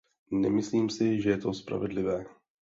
Nemyslím si, že je to spravedlivé.